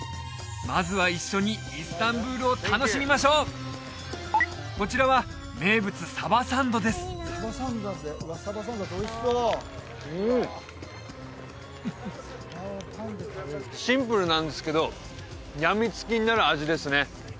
まずは一緒にイスタンブールを楽しみましょうこちらは名物サバサンドですうんシンプルなんですけど病みつきになる味ですね